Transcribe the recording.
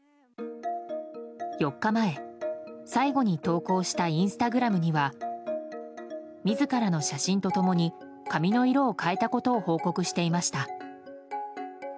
４日前、最後に投稿したインスタグラムには自らの写真と共に髪の色を変えたことを報告していました。